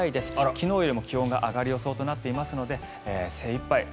昨日よりも気温が上がる予想となっていますので精いっぱい